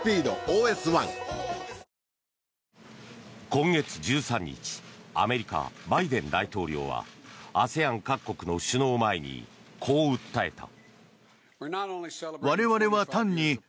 今月１３日アメリカ、バイデン大統領はＡＳＥＡＮ各国の首脳を前にこう訴えた。